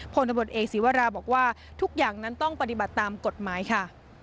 ผลตำรวจเอกศีวราบอกว่าทุกอย่างนั้นต้องปฏิบัติตามกฎหมายค่ะ